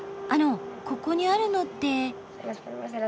あのここにあるのって。